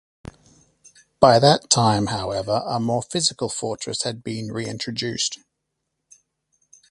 By that time, however, a more physical Fortress had been reintroduced.